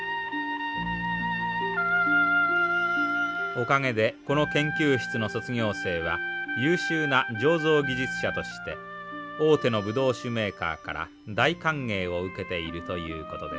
おかげでこの研究室の卒業生は優秀な醸造技術者として大手のブドウ酒メーカーから大歓迎を受けているということです。